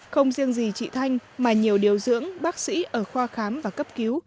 không riêng gì chị thanh mà nhiều điều dưỡng bác sĩ ở khoa khám và cấp cứu